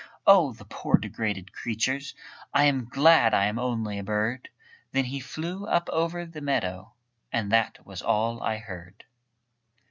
Oh, the poor degraded creatures! I am glad I am only a bird!" Then he flew up over the meadow, And that was all I heard.